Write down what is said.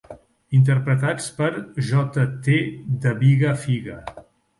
Interpretats per Jt The Bigga Figga.